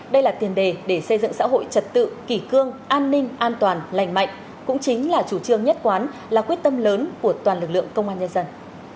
đây là tiền đề để xây dựng xã hội trật tự kỷ cương an ninh an toàn lành mạnh cũng chính là chủ trương nhất quán là quyết tâm lớn của toàn lực lượng công an nhân dân